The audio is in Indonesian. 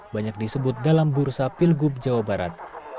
banyak disebut dalam bursa pilgub jawa barat